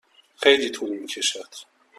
خیلی طول می کشد.